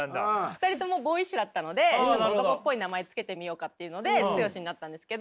２人ともボーイッシュだったので男っぽい名前付けてみようかっていうのでツヨシっ！になったんですけど。